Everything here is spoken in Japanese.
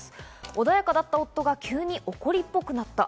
穏やかだった夫が急に怒りっぽくなった。